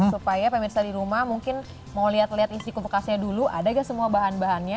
supaya pemirsa di rumah mungkin mau lihat lihat isi kumkasnya dulu ada gak semua bahan bahannya